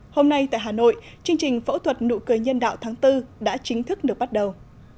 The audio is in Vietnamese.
hôm nay tại hà nội chương trình phẫu thuật nụ cười nhân đạo tháng bốn đã chính thức được bắt đầu